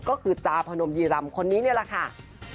ก็คือจาพนมยีรำคนนี้นี่แหละค่ะ